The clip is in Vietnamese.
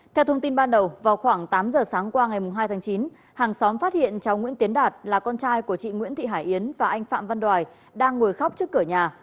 theo thông tin ban đầu vào khoảng tám giờ sáng qua ngày hai tháng chín hàng xóm phát hiện cháu nguyễn tiến đạt là con trai của chị nguyễn thị hải yến và anh phạm văn đoài đang ngồi khóc trước cửa nhà